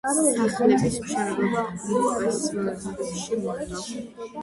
სახლების მშენებლობა უმოკლეს ვადებში მოხდა.